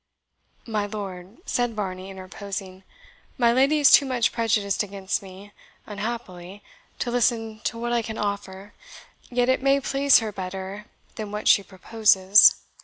"My lord," said Varney interposing, "my lady is too much prejudiced against me, unhappily, to listen to what I can offer, yet it may please her better than what she proposes.